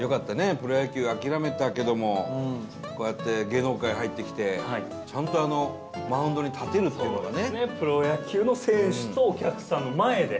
プロ野球、諦めたけどもこうやって、芸能界入ってきてちゃんとマウンドに立てるっていうのがね。